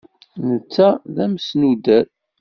Netta d amesnuder.